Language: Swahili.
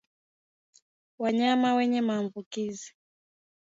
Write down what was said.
Wanyama wenye maambukizi